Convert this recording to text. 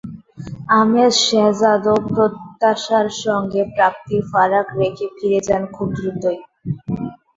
আহমেদ শেহজাদও প্রত্যাশার সঙ্গে প্রাপ্তির ফারাক রেখে ফিরে যান খুব দ্রুতই।